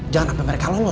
jangan sampai mereka